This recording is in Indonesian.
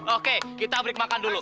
oke kita break makan dulu